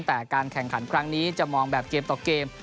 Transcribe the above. แต่การแข่งขันครั้งนี้จะมองแบบเกมต่อเกม